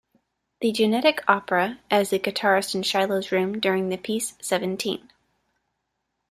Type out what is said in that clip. The Genetic Opera" as the guitarist in Shilo's room during the piece "Seventeen".